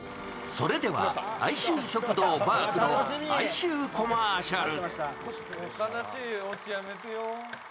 それでは、愛愁食堂・ばーくの愛愁コマーシャル。